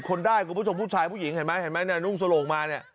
คนได้กลุ่มผู้ชมผู้ชายผู้หญิงเห็นไหมเนี่ยนุ่งสโลกมาเนี่ย